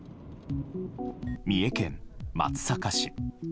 三重県松阪市。